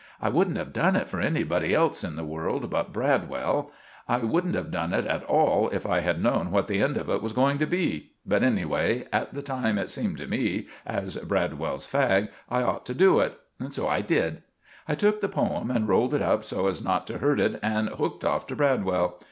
I wouldn't have done it for anybody else in the world but Bradwell; I wouldn't have done it at all if I had known what the end of it was going to be; but, anyway, at the time it seemed to me, as Bradwell s fag, I ought to do it; so I did. I took the poem and rolled it up so as not to hurt it, and hooked off to Bradwell.